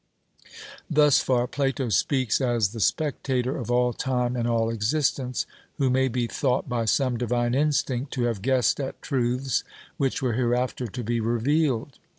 Thus far Plato speaks as 'the spectator of all time and all existence,' who may be thought by some divine instinct to have guessed at truths which were hereafter to be revealed.